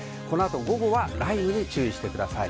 午後は雷雨に注意してください。